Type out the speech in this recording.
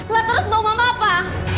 lah terus bau mama apa